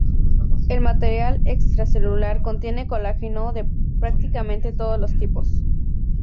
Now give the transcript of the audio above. El material extracelular contiene colágeno de prácticamente todos los tipos.